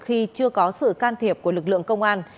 khi chưa có sự can thiệp của lực lượng công an